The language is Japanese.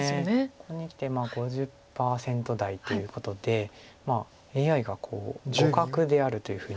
ここにきて５０％台ということでまあＡＩが互角であるというふうに。